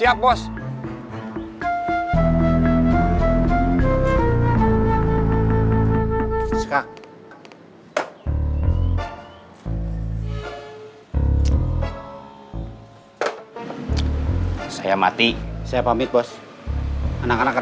ayo cerita dulu sekarang ya